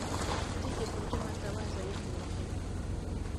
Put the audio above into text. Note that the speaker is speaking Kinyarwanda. itegeko ry amatabaza yo mu ihema